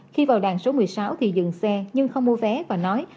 khi vào đàn số một mươi sáu thì dừng xe nhưng không mua vé và nói